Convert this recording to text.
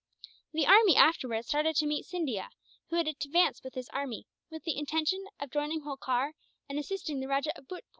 The army afterwards started to meet Scindia, who had advanced with his army, with the intention of joining Holkar and assisting the Rajah of Bhurtpoor.